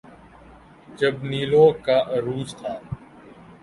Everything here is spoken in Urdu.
جب نیلو کا عروج تھا۔